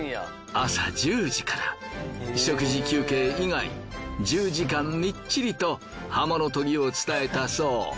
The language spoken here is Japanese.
朝１０時から食事休憩以外１０時間みっちりと刃物研ぎを伝えたそう。